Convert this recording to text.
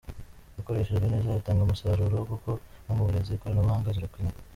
Yakoreshejwe neza yatanga umusaruro kuko no mu burezi ikoranabuhanga rirakenewe’’.